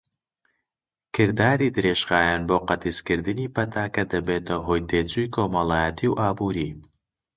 کرداری درێژخایەن بۆ قەتیسکردنی پەتاکە دەبێتە هۆی تێچووی کۆمەڵایەتی و ئابووری.